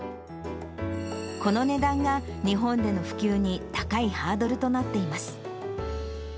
この値段が、日本での普及に高いハードルとなっています。